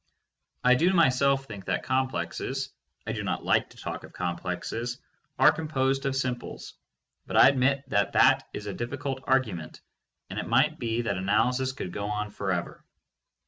I do myself think that complexes — I do not like to talk of complexes — but that facts are composed of simples, but I admit that that is a difficult argument, and it might be that analysis could go on forever.